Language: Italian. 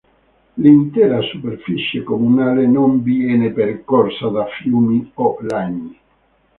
L'intera superficie comunale non viene percorsa da fiumi o laghi.